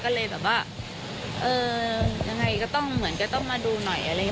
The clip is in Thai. ก็เลยแบบว่าเออยังไงก็ต้องเหมือนก็ต้องมาดูหน่อยอะไรอย่างนี้